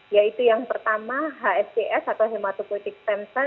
yaitu yang pertama hscs atau hematoklitic stem cell